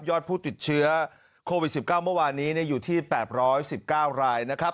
ผู้ติดเชื้อโควิด๑๙เมื่อวานนี้อยู่ที่๘๑๙รายนะครับ